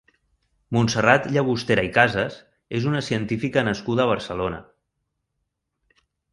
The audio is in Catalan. Montserrat Llagostera i Casas és una científica nascuda a Barcelona.